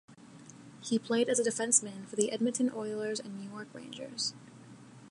He played as a defenceman for the Edmonton Oilers and New York Rangers.